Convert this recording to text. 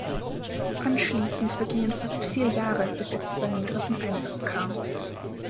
Anschließend vergingen fast vier Jahre, bis er zu seinem dritten Einsatz kam.